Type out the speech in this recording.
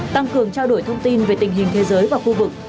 tăng cường trao đổi thông tin về tình hình thế giới và khu vực